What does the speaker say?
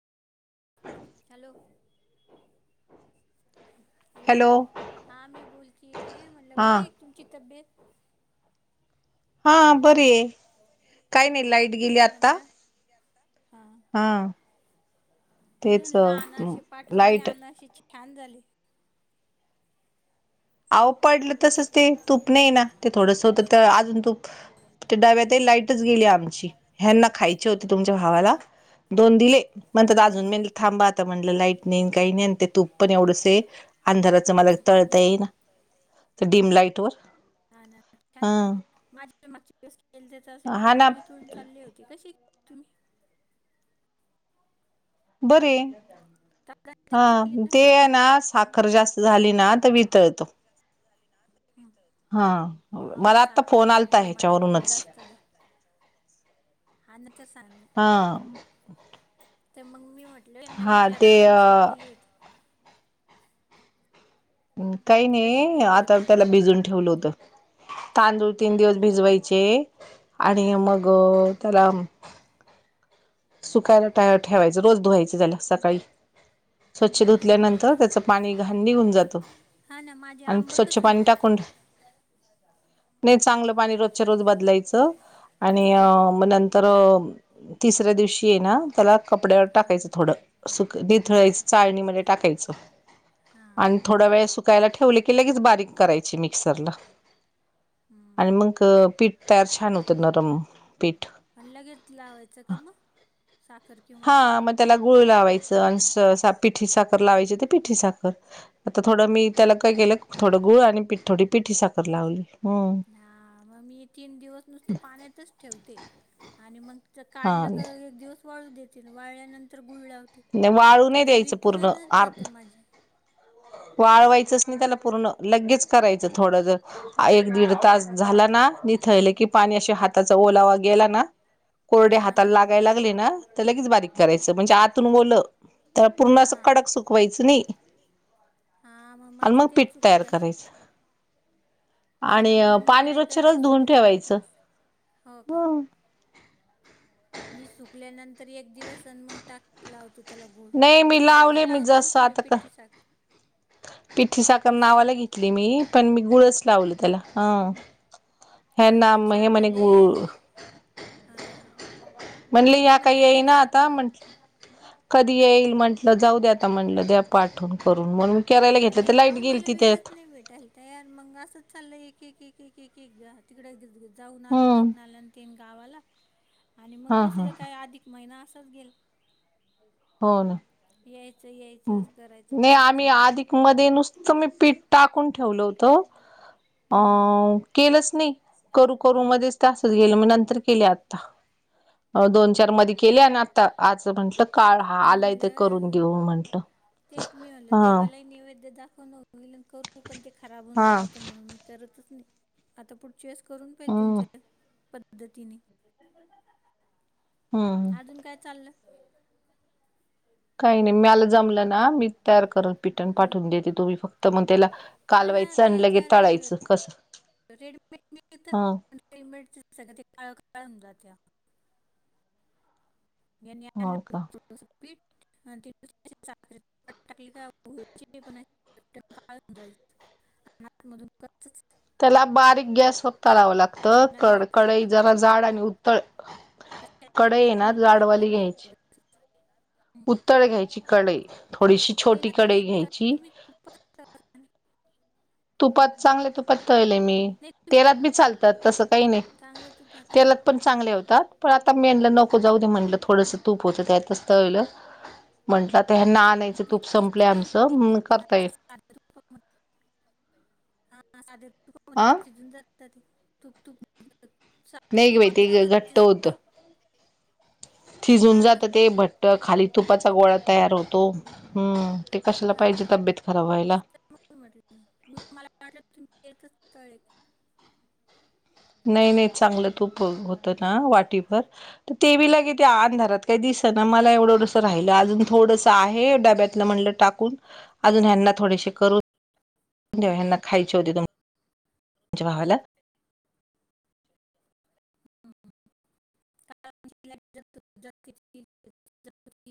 Hello hello हा मी बोलतीय म्हटलं हा बरी आहे तुमची तब्येत हा बर हा मी तेच म्हला हा मी तेच तणल अनशी पाठवली लाईट अनशी छान झाली आव पडलं तसच ते तूप नाही ना ते थोडस होत अजून तूप ते डाव्यात लाईटच गेली आमची ह्यांना खायची होती तुमच्या भावाला हो दोनंद दििले म्हणत अजून हम्म म थांबा आता म्हणलं लाईट नाही काही नाही ते तूप पण एवढंस अंधाराचं मला हम्म हम्म तळता हम्म येई ना तर डडीम लाइट वर हा माझी माग के तर असे हा ना वितळून वितळून चालले होते कशी तुम्ही बर च हा ते आहे ना साखर जास्त झाली ना तर वितळतो हा ना हा मग मला आत्ता साखर फोन म आलता गु माझ्याकडन ह्याच्यावरूनच असत हा न तर सांग हा मग तर मग मी वाट टलो यांना हा ते विचारावा कशी केली होती काही कसे नाही केले आता होते त्याला म्हणून भिजून ठेवलं होत तांदूळ तीन दिवस भिजवायचे हा आणि हा मग त्याला सुकार सुकाय पाया ठेवायचं लो धुवायचं झाात सकाळी स्वच्छ धुतल्यानंतर त्याचं पाणी घांडी होऊन जातो आणि स्वच्छ पाणी टाकून ह नाही चांगलं पाणी रोजच्या रोज बदलायचं आणि हा हा म तर तिसऱ्या दिवशी ये ना त्याला कपड्यावर हा टाकायचं थोडं सुक हो का निथळायचं चाळणीमध्ये टाकायचं हा आणि थोडा वेळ आणि थोड सुकायला वेळ ठेवले सुकायला की लगेच ठेवली की बारीक लगेच बारीक करायची मिक्सरला मिक्सर आणि मग पीठ तयार छान होते नरम पीठ आणि लगेच लावायचं का मग साखर किंवा हा गूळ म त्याला गुळ लावायचं आणि पिठी साखर लावायची ते पिठी साखर आता थोडं मी त्याला काय केलं थोडं गुळ आणि थोडी पिठी साखर लावली हा मग मी तीन दिवस नुसतं पाण्यातच ठेवते आणि मग काढलं हा का दिवस वाळू देते वाळल्यानंतर गुळला होते वाळू तर नाही ते वितुळनच जात माझे वाळवायचच नाही त्याला पूर्ण लगेच करायचं थोडं ज दीड तास झाला ना निथळले की पाणी अे हाताचा ओलावा गेला ना कोरडे हा हा हाताला हा. लागाय लागले ना तर लगेच बारीक करायचं म्हणजे आ तून गलं त्या पूर्ण अस हा. कडक सुकवायचं नाही हा आणि माझं मग तेच पीठ तयार चुकत असेल करायचं हो ना आणि मग मी पाणी काय रोजच्या करते रोज धुवून सुकल्यानंतर ठेवायचं हो का ह मी सुकल्यानंतर एक दिवसन मग टाक लावते त्याला नाही गुड मी साखर लावले मी लावता ना जसं तुम्ही पिट्टी साखर पिठ्ठी साखर नावाला घेतली मी पण मी गुळच लावल त्याला अ ह हो का नाम हे छान म्हणे झाले गुु हां म्हणली मी या काही म्हटलं येई ना तेच आता म्हट कधी येईल म्हंटलं जाऊ द्या आता म्हटलं द्या पाठवून करून मण नाही ना मला वेळच नाही भेटाल तयार मग असंच चाललं एक एक एक एक एक एक तिकडे जाऊन आलो हम्म लग्न आलं तन गावाला आणि मग हा हा कसलं काय अधिक महिना असंच गेल हो ना येच येच नाही आम्ही आधिक मध्ये नुसतं मी पीठ टाकून ठेवल होत अ हम्म. केलंच नाही करू करू मध्येच त असच गेलं मग नंतर केले आता दोन चार मध्ये केले आणि आता आज म्हंटलं काळ हा आलाय ते करून म्हणलं घेऊन म्हटलं तेच मी म्हलं देवालाही नैवेद्य दाखव विल करून पण ते खराब होऊन हा जातं म्हणून मी करतच नाही आता पुढचीस करून पाहिल हम्म तुमच्या पद्धतीने हम अजून काय चाललं काही नाही मीला जमलं ना मी तयार करत पिटन हं. पाठवून देते तुम्ही फक्त मग त्याला हा ना कालवायचं आणि लगे तळायचं कसं े ह सगळ्या काळ का जात्या हो का आणलंी टाकली का हो पण काय जायच मधून कस त्याला बारीक गॅस फक्ता लावं लागत यांना क मला कशा कडई जरा जाड आणि उत्तळ कशा कडे आणले ये ना म्हणलं यांना जाडवाली म्हटलं घ्यायची उगाचच. उत्तळ घ्यायची कढई थोडीशी छोटी तेलात नाही कडेई ना तर घ्यायची [unintelligible] तुपात चांगले तुपात तळले मी नाही तुम्ही तेलात बी चालतात तस काही नाही चांगल्या तुपात तेलात पण चांगले होतात पण आता मी आणलं नको जाऊ दे म्हटलं करा. थोडंसं तूप होतं त्यातचतळलं म्हटलं तर ह नानयचं नाही तूप ते संपले शिजत नाही ना ते. आमचं करता येईल [inaudible] हा साध्या तुपामध्ये हा शिजून जातात ते तूप तूप साडे तू नाही बाई पाच ला ते का घट्ट चिस्त िजून जातं ते भट्ट खाली तुपाचा गोळा तयार होतो हम्म ते कशाला हा पाहिजे तब्येत खराब व्हायला तेच तर मग म्हटलं मला म्हटलं तुम येत तळे नाही नाही चांगलं तूप होतं ना वाटीभर तर तेवी लागे ते अंधारात काही दिस ना हा, मला एवढं एढंसं राहिलं अजून थोडंसं आहे डब्यातलं म्हटलं टाकूनजून हना थो कर हम्म. णव्यांना खायचे होते तुम व्हावाला स्त जास्ि